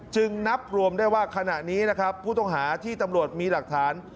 นับรวมได้ว่าขณะนี้นะครับผู้ต้องหาที่ตำรวจมีหลักฐาน